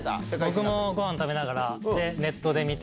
僕もごはん食べながら、ネットで見て。